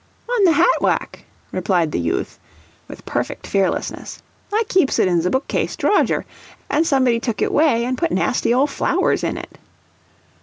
"On the hat wack," replied the youth, with perfect fearlessness; "I keeps it in ze book case djawer, an' somebody took it 'way an' put nasty ole flowers in it."